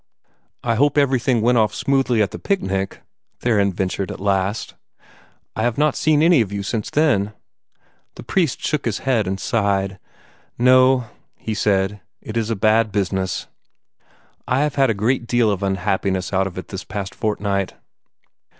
"I hope everything went off smoothly at the picnic," Theron ventured, at last. "I have not seen any of you since then." The priest shook his head and sighed. "No," he said. "It is a bad business. I have had a great deal of unhappiness out of it this past fortnight.